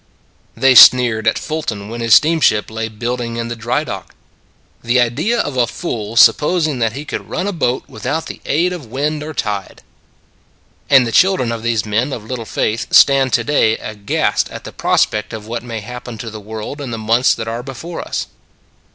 They sneered at Fulton when his steam ship lay building in the dry dock. The idea of a fool supposing that he could run a boat without the aid of wind or tide ! And the children of these men of little faith stand to day aghast at the prospect of what may happen to the world in the months that are before us.